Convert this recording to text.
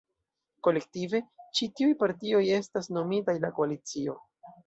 Kolektive, ĉi tiuj partioj estas nomitaj la Koalicio.